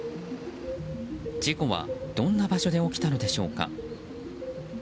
事故は、どんな場所で起きたのでしょうか。